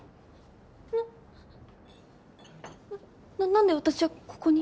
な何で私はここに。